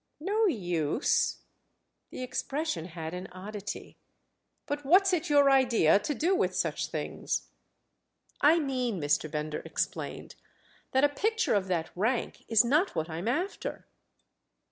"'No use?'"—the expression had an oddity. "But what's it your idea to do with such things?" "I mean," Mr. Bender explained, "that a picture of that rank is not what I'm after."